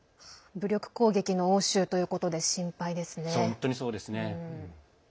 武力攻撃の応酬ということで心配ですね。